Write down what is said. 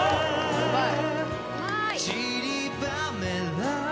うまい！